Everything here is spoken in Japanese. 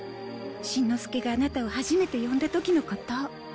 しんのすけがアナタを初めて呼んだ時のこと。